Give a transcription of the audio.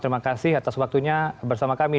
terima kasih atas waktunya bersama kami